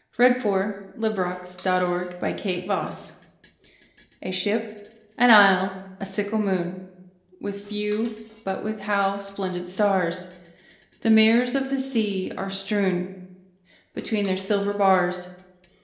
T. S. Eliot A SHIP, AN ISLE, A SICKLE MOON A SHIP, an isle, a sickle moon With few but with how splendid stars The mirrors of the sea are strewn Between their silver bars